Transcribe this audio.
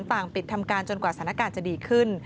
ปิดทำการจนกว่าสถานการณ์จะดีขึ้น